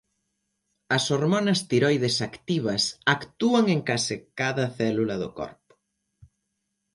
As hormonas tiroides activas actúan en case cada célula do corpo.